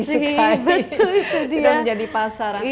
sudah menjadi pasaran